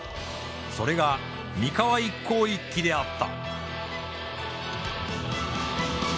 それが三河一向一揆であった。